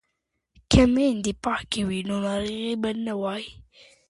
که میندې پاکې وي نو ناروغي به نه وي.